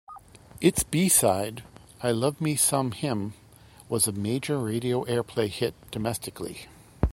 Its B-side, "I Love Me Some Him", was a major radio airplay hit domestically.